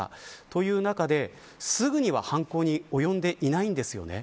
という中で、すぐには犯行に及んでいないんですよね。